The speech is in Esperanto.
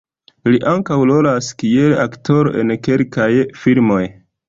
Li ankaŭ rolas kiel aktoro en kelkaj filmoj.